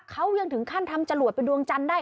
เขายังถึงขั้นทำจรวดเป็นดวงจันทร์ได้